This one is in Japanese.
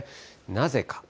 なぜか。